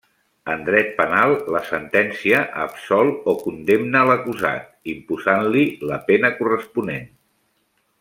En dret penal, la sentència absol o condemna l'acusat, imposant-li la pena corresponent.